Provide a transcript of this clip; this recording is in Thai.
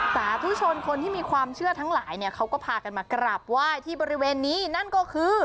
สาธุชนคนที่มีความเชื่อทั้งหลายเนี่ยเขาก็พากันมากราบไหว้ที่บริเวณนี้นั่นก็คือ